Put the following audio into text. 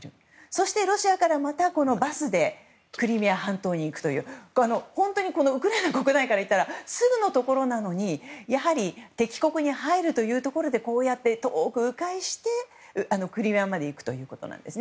そして、ロシアからまたバスでクリミア半島に行くという本当にウクライナ国内にいたらすぐのところなのに敵国に入るということでこうやって遠く迂回してクリミアまで行くということです。